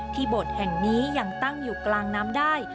โบสถ์แห่งนี้ยังตั้งอยู่กลางน้ำได้